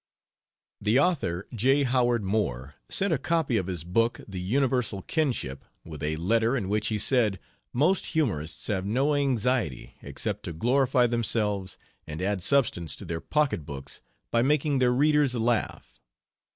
The author, J. Howard Moore, sent a copy of his book, The Universal Kinship, with a letter in which he said: "Most humorists have no anxiety except to glorify themselves and add substance to their pocket books by making their readers laugh.